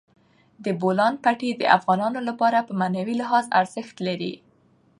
د بولان پټي د افغانانو لپاره په معنوي لحاظ ارزښت لري.